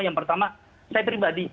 yang pertama saya pribadi